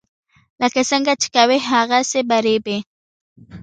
لکه څنګه چې کوې هغسې به ریبې.